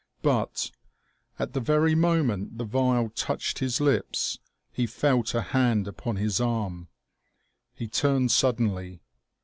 But, at the very moment the vial touched his lips, he felt a hand upon his arm. He turned suddenly.